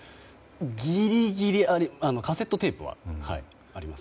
ギリギリカセットテープはあります。